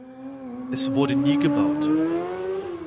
Es wurde nie gebaut.